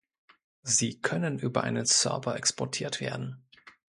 Sie können über einen Server exportiert werden.